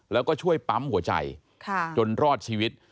แล้วก็ช่วยปั๊มหัวใจจนรอดชีวิต